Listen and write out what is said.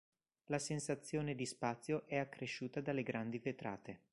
La sensazione di spazio è accresciuta dalle grandi vetrate.